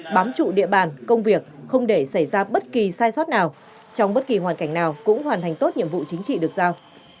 bám trụ địa bàn công việc không để xảy ra bất kỳ sai sót nào trong bất kỳ hoàn cảnh nào cũng hoàn thành tốt nhiệm vụ chính trị được giao